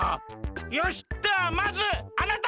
よしではまずあなたから！